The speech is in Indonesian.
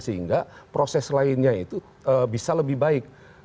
sehingga proses lainnya itu bisa lebih baik